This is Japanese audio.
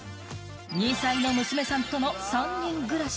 ２歳の娘さんとの３人暮らし。